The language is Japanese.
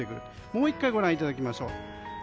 もう１回、ご覧いただきましょう。